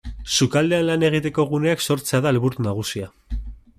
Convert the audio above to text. Sukaldean lan egiteko guneak sortzea da helburu nagusia.